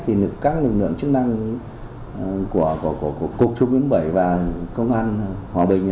thì các lực lượng chức năng của cục trung yến bảy và công an hòa bình